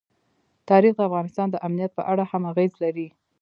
تاریخ د افغانستان د امنیت په اړه هم اغېز لري.